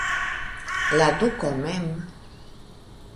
La duko mem!